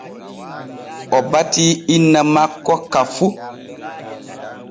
O batii inna makko ka fu.